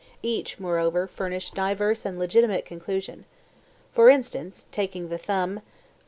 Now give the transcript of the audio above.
Each, moreover, furnished diverse and legitimate conclusion. For instance (taking the thumb).